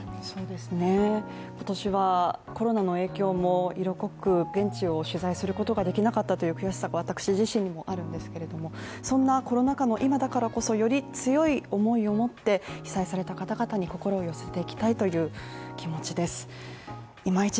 そうですね、今年はコロナの影響も色濃く、現地を取材することができなかったという悔しさが私自身にもあるんですけれども、そんなコロナ禍の今だからこそより強い思いを持ってここからは「ｎｅｗｓｔｏｒｉｅｓ」です。